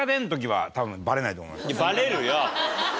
バレるよ！